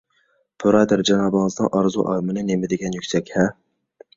بۇرادەر، جانابىڭىزنىڭ ئارزۇ - ئارمىنى نېمىدېگەن يۈكسەك - ھە!